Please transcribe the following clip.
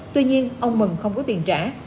tuy nhiên ông mừng không có tiền trả